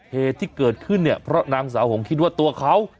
เหตุที่เกิดขึ้นเนี่ยเพราะนางสาวหงคิดว่าตัวเขา